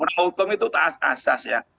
penegak hukum itu asas ya